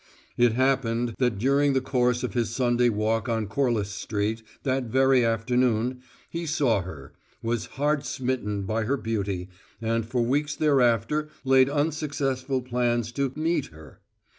It happened that during the course of his Sunday walk on Corliss Street, that very afternoon, he saw her was hard smitten by her beauty, and for weeks thereafter laid unsuccessful plans to "meet" her.